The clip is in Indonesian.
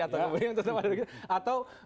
atau kemudian tetap ada atau